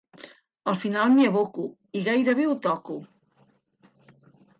Al final m'hi aboco i gairebé ho toco.